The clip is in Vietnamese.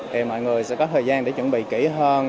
thì mọi người sẽ có thời gian để chuẩn bị kỹ hơn